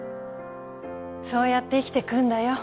そうやって生きてくんだよ